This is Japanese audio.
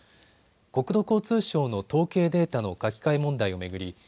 国土交通省の統計データの書き換え問題を巡り